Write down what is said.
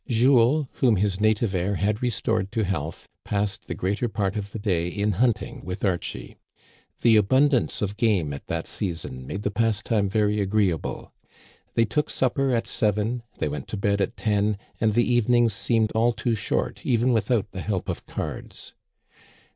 Jules, whom his native air had restored to health, passed the greater part of the day in hunting with Archie. The abundance of game at that season made the pastime very agreeable. They took supper at seven, they went to bed at ten, and the evenings seemed all too short even without the help of cards.